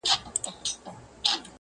• او احساسات يې خوځېږي ډېر..